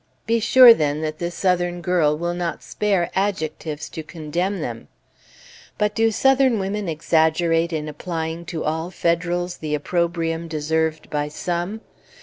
Be sure, then, that this Southern girl will not spare adjectives to condemn them! But do Southern women exaggerate in applying to all Federals the opprobrium deserved by some?